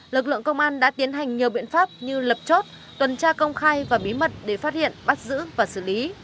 lực lượng công an đã tiến hành nhiều biện pháp như lập chốt tuần tra công khai và bí mật để phát hiện bắt giữ và xử lý